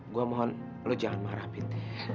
gue mohon lo jangan marah pin